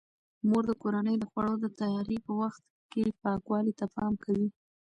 مور د کورنۍ د خوړو د تیاري په وخت پاکوالي ته پام کوي.